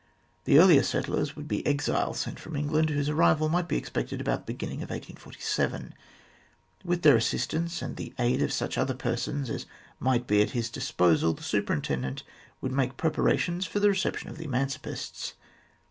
The earliest settlers would be exiles sent from England, whose arrival might be expected about the beginning of 1847. With their assistance, and the aid of such other persons as might be at his disposal, the Superin tendent would make preparations for the reception of the emancipists.